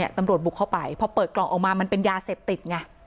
ตำรวจบุกเข้าไปพอเปิดกล่องออกมามันเป็นยาเสพติดไง